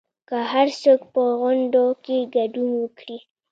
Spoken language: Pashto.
که هرڅوک په غونډو کې ګډون وکړي